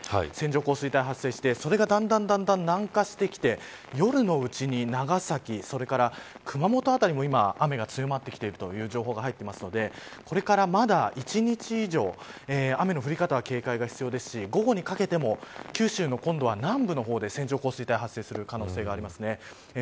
長崎県の対馬で線状降水帯が発生してそれがだんだん南下してきて夜のうちに、長崎それから熊本辺りも今雨が強まってきている情報が入っているのでこれからまだ１日以上雨の降り方、警戒が必要ですし午後にかけても九州の今度は南部の方で線状降水帯が発生する可能性があります。